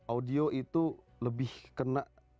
audio itu lebih kena